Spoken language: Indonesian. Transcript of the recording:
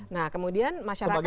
nah kemudian masyarakat juga